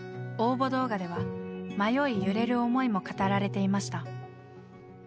応募動画では迷い揺れる思いも語られていました。